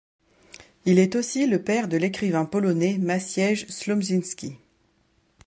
Il est aussi le père de l'écrivain polonais Maciej Słomczyński.